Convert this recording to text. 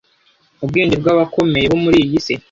ubwenge bw’abakomeye bo muri iyi si